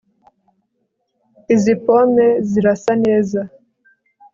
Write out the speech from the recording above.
Izi pome zirasa neza